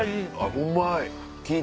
うまい！